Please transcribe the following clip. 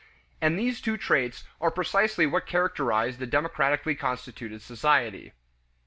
And these two traits are precisely what characterize the democratically constituted society.